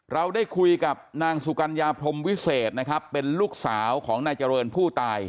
เราได้คุยกับนางสุกัญญาพรมวิเศษนะครับเป็นลูกสาวของนายเจริญผู้ตาย